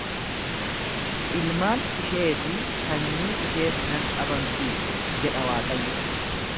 Ilmaan ishee fi sanyii ishees nan dhabamsiisa jedha Waaqayyo.